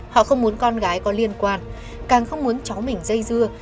họ không muốn con gái có liên quan càng không muốn cháu mình dây dưa